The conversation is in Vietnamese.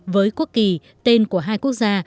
với quốc kỳ tên của hai quốc gia